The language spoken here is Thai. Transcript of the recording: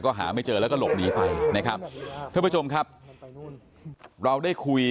ก็หาไม่เจอแล้วก็หลบหนีไปนะครับท่านผู้ชมครับเราได้คุย